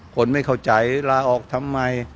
คนไม่เข้าใจลาออกทำไม